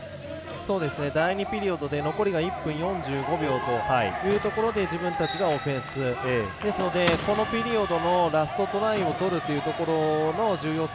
第２ピリオドで残り１分４５秒で自分たちがオフェンスですのでこのピリオドのラストトライをとるというところの重要性。